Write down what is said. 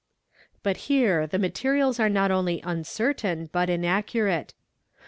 But here the materials are not only uncertain but inaccurate.